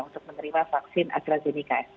untuk menerima vaksin astrazeneca